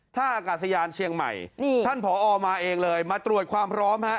ท่าอากาศยานเชียงใหม่นี่ท่านผอมาเองเลยมาตรวจความพร้อมฮะ